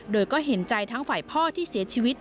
โดยก็เห็นใจทั้งฝ่ายพ่อที่เสียชีวิต